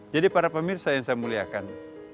jadi para pemirsa yang saya muliakan